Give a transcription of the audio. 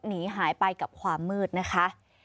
หนีหายไปกับความมืดนะคะ